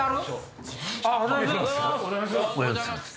おはようございます。